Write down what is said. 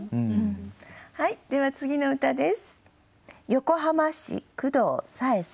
はいでは次の歌です。